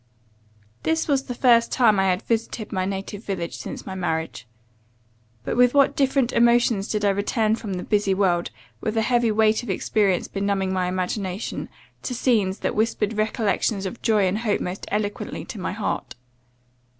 "This was the first time I had visited my native village, since my marriage. But with what different emotions did I return from the busy world, with a heavy weight of experience benumbing my imagination, to scenes, that whispered recollections of joy and hope most eloquently to my heart!